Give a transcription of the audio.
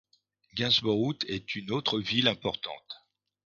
Gainsborough est une autre ville importante.